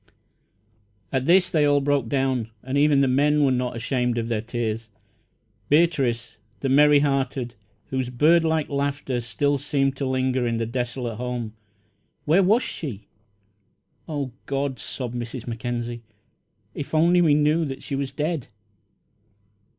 At this they all broke down, and even the men were not ashamed of their tears. Beatrice, the merry hearted, whose birdlike laughter still seemed to linger in the desolate home where was she? "Oh, God," sobbed Mrs. Mackenzie, "if we only knew that she was dead!"